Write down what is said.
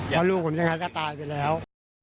แล้วลูกผมยังไงก็ตายไปแล้ว